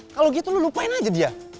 kalau gitu lu lupain aja dia